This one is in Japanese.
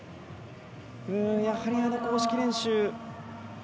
やはり、あの公式練習。